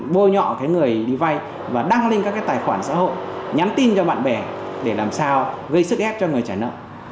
bôi nhọ người đi vay và đăng lên các cái tài khoản xã hội nhắn tin cho bạn bè để làm sao gây sức ép cho người trả nợ